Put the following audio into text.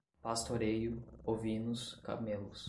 pastoreio, ovinos, camelos